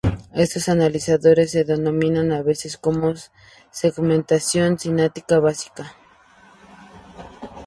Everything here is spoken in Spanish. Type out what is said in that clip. Estos analizadores se denominan a veces como "segmentación sintáctica básica".